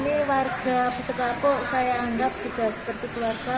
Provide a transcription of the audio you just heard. jadi warga sekapuk saya anggap sudah seperti keluarga